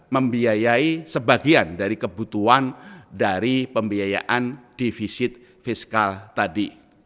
membiayai sebagian dari kebutuhan dari pembiayaan divisit fiskal tadi